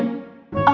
tidak ada masalah